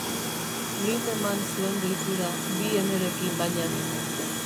Lindemann zuen deitura, bi enerekin baina.